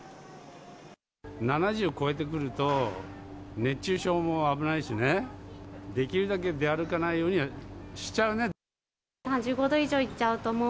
７０超えてくると、熱中症も危ないしね、できるだけ出歩かないようにはしちゃうね。